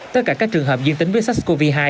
tất cả các trường hợp dương tính với sars cov hai